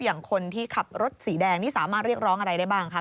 อย่างคนที่ขับรถสีแดงนี่สามารถเรียกร้องอะไรได้บ้างครับ